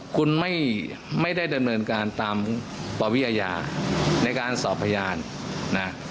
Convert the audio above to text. คุณไม่ได้ดำเนินการตามปวิอาญาในการสอบพยานนะ